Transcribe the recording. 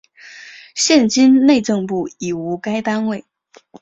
现今内政部已无该单位。